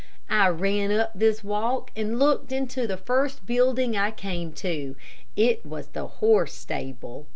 I ran up this walk, and looked into the first building I came to. It was the horse stable.